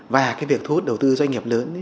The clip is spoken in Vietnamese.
và cái việc thu hút đầu tư doanh nghiệp lớn